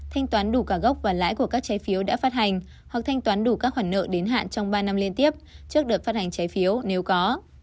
thanh toán đủ cả gốc và lãi của các trái phiếu đã phát hành hoặc thanh toán đủ các khoản nợ đến hạn trong ba năm liên tiếp trước đợt phát hành trái phiếu nếu có